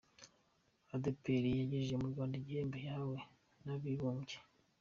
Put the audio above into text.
Adeperi yagejeje mu Rwanda igihembo yahawe Nabibumbye